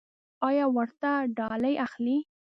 ایا ورته ډالۍ اخلئ؟